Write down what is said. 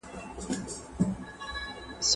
سپین موټر په سړک کې ډېر تېز روان و.